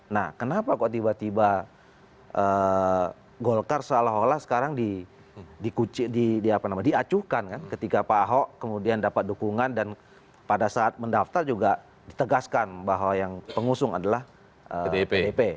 nah kenapa kok tiba tiba golkar seolah olah sekarang diacuhkan kan ketika pak ahok kemudian dapat dukungan dan pada saat mendaftar juga ditegaskan bahwa yang pengusung adalah pdp